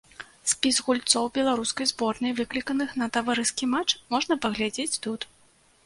Спіс гульцоў беларускай зборнай, выкліканых на таварыскі матч, можна паглядзець тут.